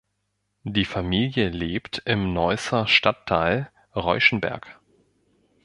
Die Familie lebt im Neusser Stadtteil Reuschenberg.